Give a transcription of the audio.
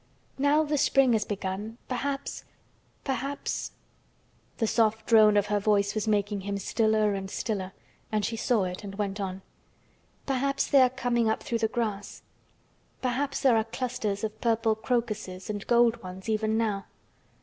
Now the spring has begun—perhaps—perhaps—" The soft drone of her voice was making him stiller and stiller and she saw it and went on. "Perhaps they are coming up through the grass—perhaps there are clusters of purple crocuses and gold ones—even now.